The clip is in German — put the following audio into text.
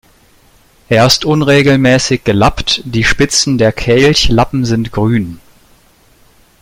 Er ist unregelmäßig gelappt, die Spitzen der Kelchlappen sind grün.